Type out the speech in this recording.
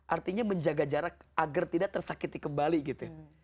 artinya menjaga jarak agar tidak tersakiti kembali gitu ya